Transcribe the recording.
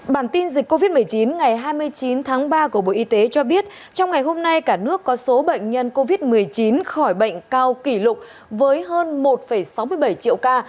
bản tin dịch covid một mươi chín ngày hai mươi chín tháng ba của bộ y tế cho biết trong ngày hôm nay cả nước có số bệnh nhân covid một mươi chín khỏi bệnh cao kỷ lục với hơn một sáu mươi bảy triệu ca